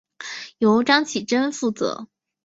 由张启珍负责。